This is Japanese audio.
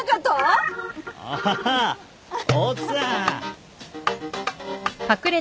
ああ奥さん。